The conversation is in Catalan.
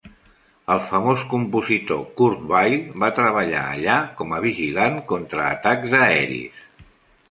El famós compositor Kurt Weill va treballar allà com a vigilant contra atacs aeris.